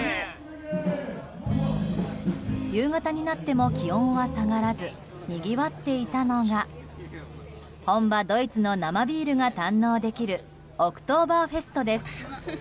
夕方になっても気温は下がらずにぎわっていたのが本場ドイツの生ビールが堪能できるオクトーバーフェストです。